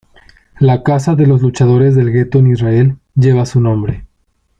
La Casa de los Luchadores del Gueto en Israel, lleva su nombre.